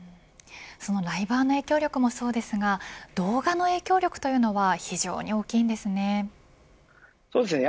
そのライバーの影響力もそうですが動画の影響力というのは非常に大きいんですね。